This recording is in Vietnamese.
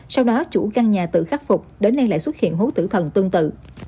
sau đó chủ căn nhà tự khắc phục đến nay lại xuất hiện hố tử thần tương tự